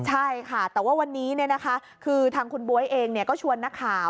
ใช่ค่ะแต่ว่าวันนี้คือทางคุณบ๊วยเองก็ชวนนักข่าว